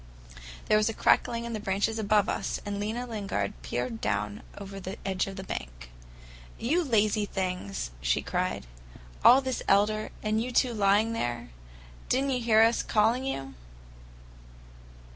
There was a crackling in the branches above us, and Lena Lingard peered down over the edge of the bank. "You lazy things!" she cried. "All this elder, and you two lying there! Did n't you hear us calling you?"